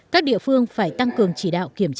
các địa phương phải tăng cường chỉ đạo kiểm tra